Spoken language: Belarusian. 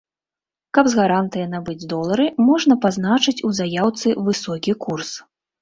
Каб з гарантыяй набыць долары, можна пазначыць у заяўцы высокі курс.